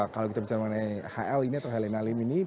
kalau kita bisa mengenai hl ini atau helena lim ini